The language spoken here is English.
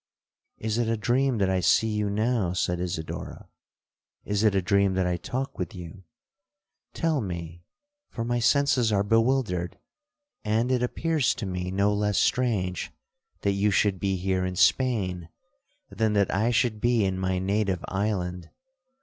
'—'Is it a dream that I see you now?' said Isidora—'is it a dream that I talk with you?—Tell me, for my senses are bewildered; and it appears to me no less strange, that you should be here in Spain, than that I should be in my native island.